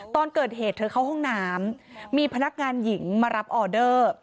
ตอนเกิดเหตุเธอเข้าห้องน้ำมีพนักงานหญิงมารับออเดอร์